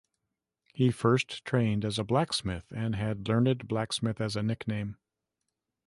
He first trained as a blacksmith, and had "Learned Blacksmith" as a nickname.